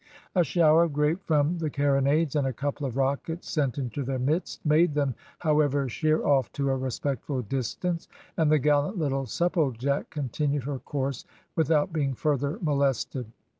A shower of grape from the carronades and a couple of rockets sent into their midst made them, however, sheer off to a respectful distance, and the gallant little Supplejack continued her course without being further molested.